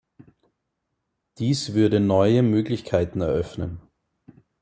Dies würde neue Möglichkeiten eröffnen.